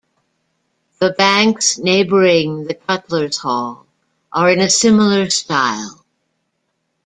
The banks neighbouring the Cutlers' Hall are in a similar style.